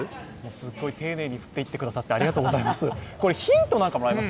すっごい、丁寧に振っていってくださってありがとうございます。